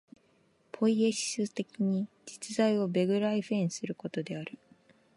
ポイエシス的に実在をベグライフェンすることである。